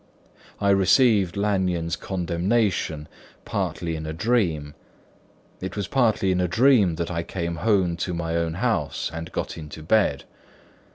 I received Lanyon's condemnation partly in a dream; it was partly in a dream that I came home to my own house and got into bed.